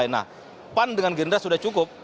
nah pan dengan gerindra sudah cukup